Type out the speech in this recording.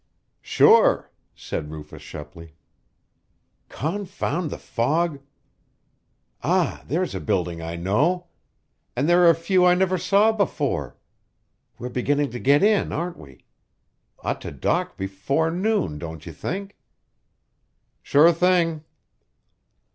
"Sure!" said Rufus Shepley. "Confound the fog! Ah, there's a building I know! And there are a few I never saw before. We're beginning to get in, aren't we? Ought to dock before noon, don't you think?" "Sure thing!"